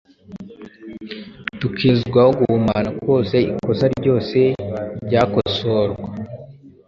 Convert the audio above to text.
tukezwaho guhumana kose ikosa ryose ryakosorwa